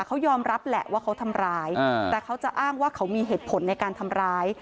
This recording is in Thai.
เขายอมรับแหละว่าเขาทำร้ายแต่เขาจะอ้างว่าเขามีเหตุผลในการทำร้าย